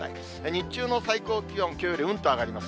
日中の最高気温、きょうよりうんと上がります。